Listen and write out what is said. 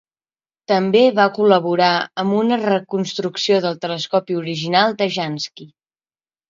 També va col·laborar amb una reconstrucció del telescopi original de Jansky.